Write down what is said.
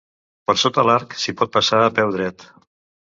Per sota l'arc s'hi pot passar a peu dret.